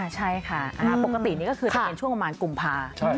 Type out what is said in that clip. ใช่ค่ะปกตินี่ก็คือจะเป็นช่วงประมาณกุมภา